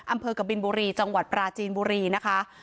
อำเภอกบินบุรีจังหวัดปราจีนบุรีนะคะ